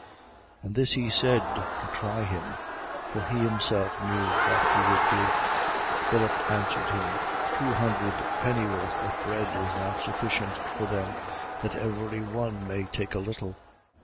6:6. And this he said to try him: for he himself knew what he would do. 6:7. Philip answered him: Two hundred pennyworth of bread is not sufficient for them that every one may take a little.